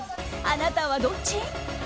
あなたはどっち？